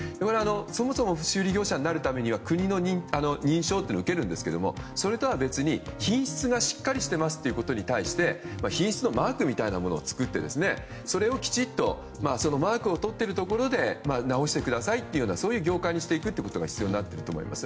そもそも修理業者になるためには国の認証というのを受けるんですけどそれとは別に品質がしっかりしていますということに対して品質のマークみたいなものを作ってそれをきちっとマークを取っているところで直してくださいというような業界にしていくことが必要になると思います。